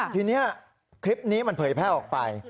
ทีนี้คลิปนี้มันเผยแพร่ออกไป